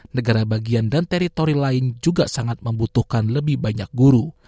negara bagian dan teritori lain juga sangat membutuhkan lebih banyak guru